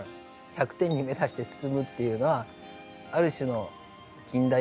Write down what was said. １００点に目指して進むっていうのはある種の近代主義といいますか。